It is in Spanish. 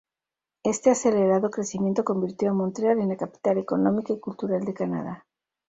Este acelerado crecimiento convirtió a Montreal en la capital económica y cultural de Canadá.